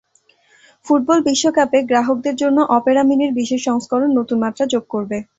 Football বিশ্বকাপে গ্রাহকদের জন্য অপেরা মিনির বিশেষ সংস্করণ নতুন মাত্রা যোগ করবে।